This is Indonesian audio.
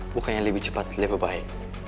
bukannya lebih cepat lebih baik